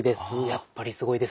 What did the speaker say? やっぱりすごいですね。